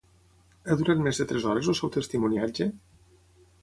Ha durat més de tres hores el seu testimoniatge?